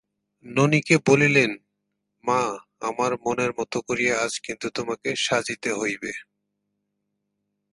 ননিকে বলিলেন, মা, আমার মনের মতো করিয়া আজ কিন্তু তোমাকে সাজিতে হইবে।